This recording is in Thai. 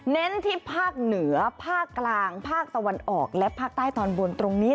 เน้นที่ภาคเหนือภาคกลางภาคตะวันออกและภาคใต้ตอนบนตรงนี้